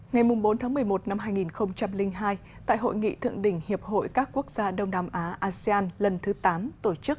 ngày bốn tháng một mươi một năm hai nghìn hai tại hội nghị thượng đỉnh hiệp hội các quốc gia đông nam á asean lần thứ tám tổ chức